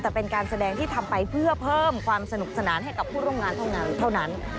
แต่เป็นการแสดงที่ทำไปเพื่อเพิ่มความสนุกสนานให้กับผู้ร่วมงานเท่านั้น